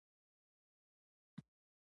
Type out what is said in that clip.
بلې خوا ته یوه تورپوستې جوړه راسره کېناسته.